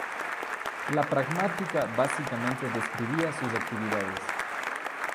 La pragmática básicamente describía sus actividades.